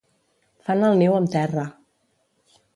Fan el niu amb terra.